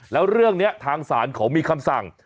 แล้วเรื่องนี้ทางศาลเขามีคำสั่ง